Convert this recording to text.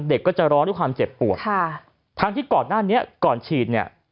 เด็กก็จะร้องด้วยความเจ็บปวดค่ะทั้งที่ก่อนหน้านี้ก่อนฉีดเนี่ย